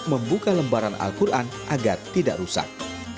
membuka lembaran al quran agar tidak rusak